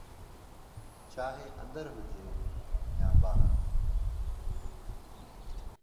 چاهي اندر هجي يا ٻاهر